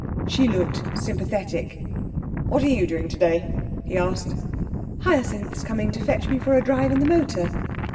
She looked sympathetic. 'What are you doing today?' he asked. 'Hyacinth's coming to fetch me for a drive in the motor.'